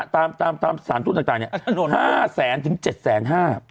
ตามสารทุกษ์ต่างเนี่ย